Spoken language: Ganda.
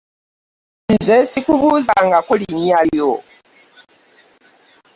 Nze sikubuuza nga ko linya lyo.